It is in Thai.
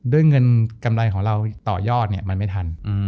ด้วยเงินกำไรของเราต่อยอดมันไม่ทัน